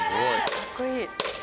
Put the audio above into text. かっこいい。